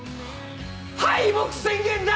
敗北宣言だ！